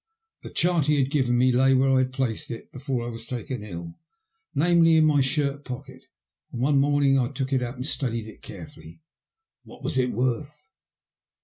The chart he had given me lay where I had placed it before I was taken ill, namely, in my shirt pocket, and one morning I took it out and studied it carefully. What was it worth